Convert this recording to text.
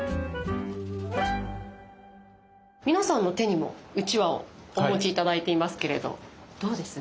皆さんの手にもうちわをお持ち頂いていますけれどどうです？